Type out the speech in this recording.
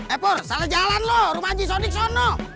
eh pur salah jalan lo rumah jisodik sono